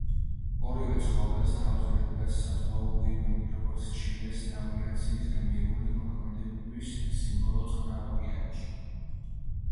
ორივე ცხოველს, თავზე ადგას საზღვაო გვირგვინი, როგორც ჩილეს ნავიგაციის გმირული მოქმედებების სიმბოლო წყნარ ოკეანეში.